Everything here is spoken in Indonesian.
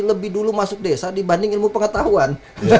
lebih dulu masuk desa dibanding ilmu pengetahuan